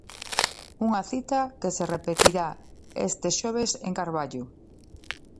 Unha cita que se repetirá este xoves en Carballo.